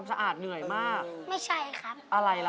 คุณน้ำรับ